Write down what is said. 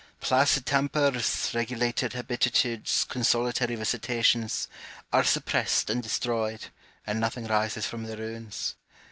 Placid tempers, regu lated habitudes, consolatory visitations, are suppressed and destroyed, and nothing rises from their ruins.